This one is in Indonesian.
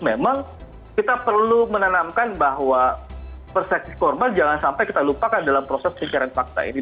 memang kita perlu menanamkan bahwa persepsi korban jangan sampai kita lupakan dalam proses pencarian fakta ini